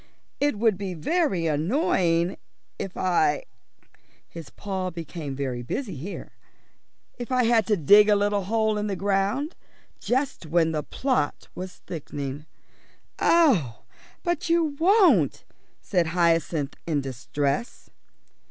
It would be very annoying if I" his paw became very busy here "if I had to dig a little hole in the ground, just when the plot was thickening." "Oh, but you won't," said Hyacinth, in distress.